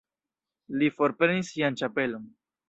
Li forprenis sian ĉapelon.